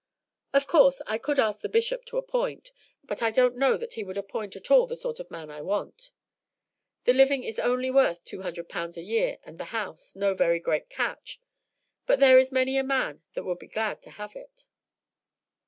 Of course, I could ask the Bishop to appoint, but I don't know that he would appoint at all the sort of man I want. The living is only worth 200 pounds a year and the house no very great catch; but there is many a man that would be glad to have it."